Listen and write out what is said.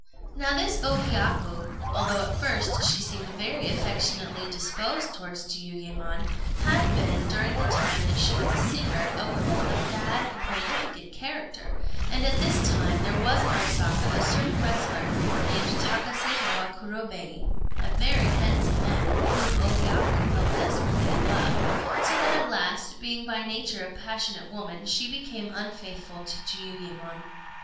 ] Now this O Hiyaku, although at first she seemed very affectionately disposed towards Jiuyémon, had been, during the time that she was a singer, a woman of bad and profligate character; and at this time there was in Osaka a certain wrestler, named Takaségawa Kurobei, a very handsome man, with whom O Hiyaku fell desperately in love; so that at last, being by nature a passionate woman, she became unfaithful to Jiuyémon.